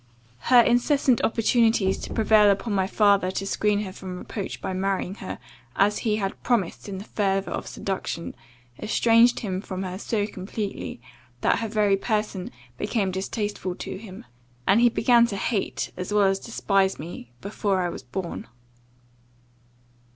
Her incessant importunities to prevail upon my father to screen her from reproach by marrying her, as he had promised in the fervour of seduction, estranged him from her so completely, that her very person became distasteful to him; and he began to hate, as well as despise me, before I was born.